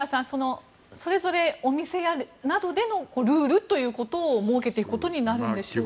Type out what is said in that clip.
一方で柳澤さんそれぞれお店などでのルールということを設けていくことになるのでしょうか。